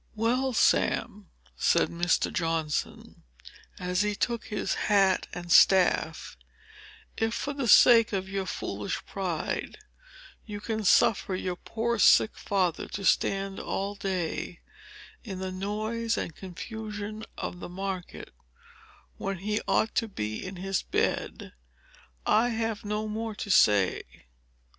"Well Sam," said Mr. Johnson, as he took his hat and staff, "If, for the sake of your foolish pride, you can suffer your poor sick father to stand all day in the noise and confusion of the market, when he ought to be in his bed, I have no more to say.